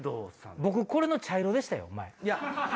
僕これの茶色でしたよ前。